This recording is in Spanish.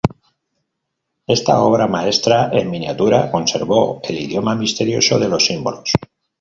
Esta obra maestra en miniatura conservó el idioma misterioso de los símbolos.